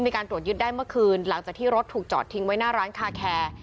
มีการตรวจยึดได้เมื่อคืนหลังจากที่รถถูกจอดทิ้งไว้หน้าร้านคาแคร์